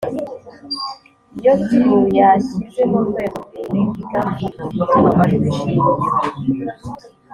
iyo tuyashyize mu rwego rw’iyigamvugo yitwa amajwi shingiro,